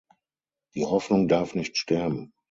Die Hoffnung darf nicht sterben.